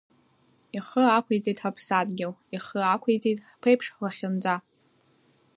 Ихы ақәиҵеит ҳаԥсадгьыл, ихы ақәиҵеит ҳԥеиԥш, ҳлахьынҵа.